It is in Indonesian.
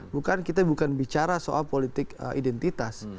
bukan kita bukan bicara soal politik identitas